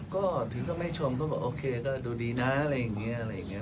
ก็ถึงก็ไม่ชมก็บอกโอเคก็ดูดีนะอะไรอย่างนี้อะไรอย่างนี้